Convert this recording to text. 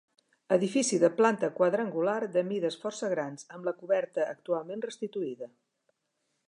Edifici de planta quadrangular, de mides força grans, amb la coberta actualment restituïda.